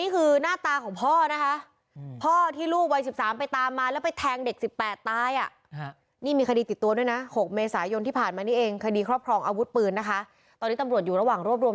เคยมีคดีมาด้วยหรอ